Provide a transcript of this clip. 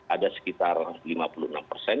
ada sekitar lima puluh enam persen